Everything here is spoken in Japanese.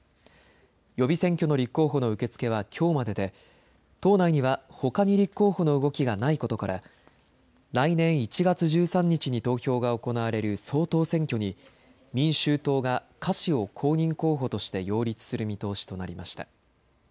予備選挙の立候補の受け付けはきょうまでで党内にはほかに立候補の動きがないことから来年１月１３日に投票が行われる総統選挙に民衆党が柯氏を公認候補として擁立する見通しとなりました。